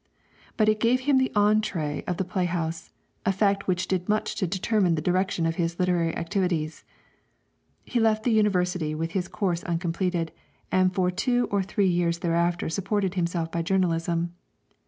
But it gave him the entrée of the playhouse, a fact which did much to determine the direction of his literary activities. He left the University with his course uncompleted, and for two or three years thereafter supported himself by journalism.